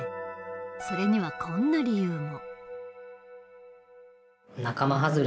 それにはこんな理由も。